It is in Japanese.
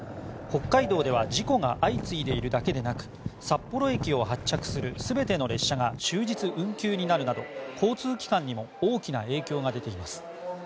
北海道では事故が相次いでいるだけでなく札幌駅を発着する全ての列車が終日運休になるなど交通機関にも大きな影響が出ています。